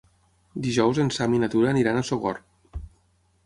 Dijous en Sam i na Tura aniran a Sogorb.